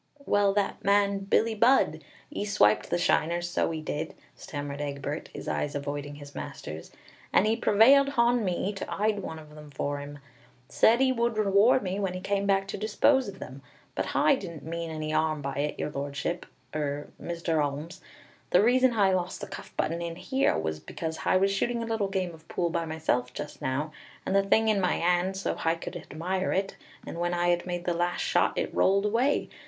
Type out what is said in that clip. "Well, that man Billie Budd, 'e swiped the shiners, so 'e did," stammered Egbert, his eyes avoiding his master's, "and 'e prevailed hon me to 'ide one of them for 'im. Said 'e would reward me when 'e came back to dispose of them. But Hi didn't mean any 'arm by it, Your Lordship, er, Mr. 'Olmes. The reason Hi lost the cuff button in 'ere was because Hi was shooting a little game of pool by myself just now, with the thing in my 'and, so Hi could hadmire it, and when Hi made the last shot, it rolled away.